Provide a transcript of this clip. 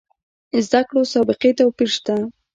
زده کړو سابقې توپیر شته.